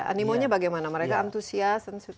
animo nya bagaimana mereka antusias dan sebagainya